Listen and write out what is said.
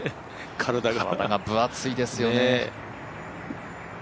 体が分厚いですよね。